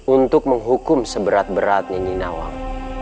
untuk menghukum seberat beratnya ninawal